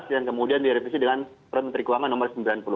yang kemudian direvisi dengan peran menteri keuangan nomor sembilan puluh delapan